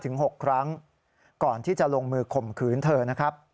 ถึง๖ครั้งก่อนที่จะลงมือข่มขืนเธอนะครับ